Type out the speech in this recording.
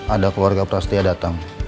ada keluarga prastia datang